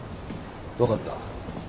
分かった。